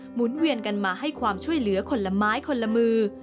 หนเวียนกันมาให้ความช่วยเหลือคนละไม้คนละมือ